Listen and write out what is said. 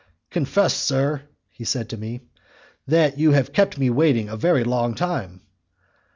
"Confess, sir," he said to me, "that you have kept me waiting a very long time."